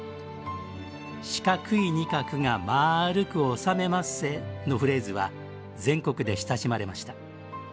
「四角い仁鶴がまるくおさめまっせ」のフレーズは全国で親しまれました。